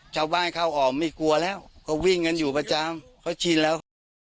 ชาวบ้านเขาออกไม่กลัวแล้วเขาวิ่งกันอยู่ประจำเขาชินแล้ว